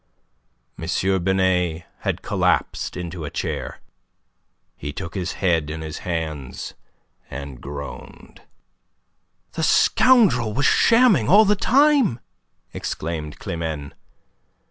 M. Binet had collapsed into a chair. He took his head in his hands, and groaned. "The scoundrel was shamming all the time!" exclaimed Climene.